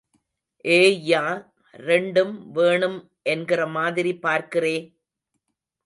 ஏய்யா... ரெண்டும் வேணும் என்கிற மாதிரி பார்க்கிறே?